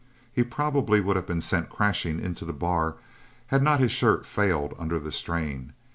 He probably would have been sent crashing into the bar had not his shirt failed under the strain.